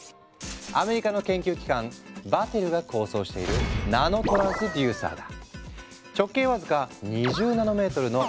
アメリカの研究機関Ｂａｔｔｅｌｌｅが構想しているナノトランスデューサーだ。